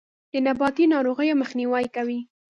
د نباتي ناروغیو مخنیوی کوي.